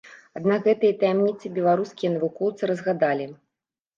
Аднак гэтыя таямніцы беларускія навукоўцы разгадалі.